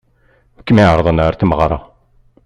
Wi kem-iɛeṛḍen ɣer tmeɣṛa?